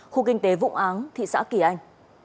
khu kinh tế vũng áng thị xã kỳ anh